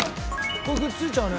これくっついちゃうね。